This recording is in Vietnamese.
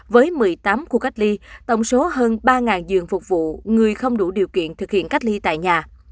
với một mươi tám khu cách ly tổng số hơn ba giường phục vụ người không đủ điều kiện thực hiện cách ly tại nhà